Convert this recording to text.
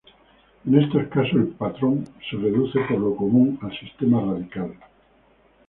En estos casos, el patrón se reduce por lo común al sistema radical.